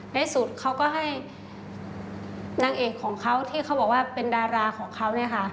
ในสุดเขาก็ให้นางเอกของเขาที่เขาบอกว่าเป็นดาราของเขาเนี่ยค่ะ